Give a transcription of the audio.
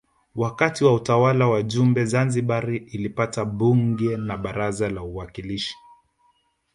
Wakati wa utawala wa Jumbe Zanzibar ilipata Bunge na Baraza la Uwakilishi